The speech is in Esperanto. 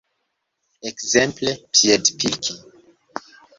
Ekzemple piedpilki.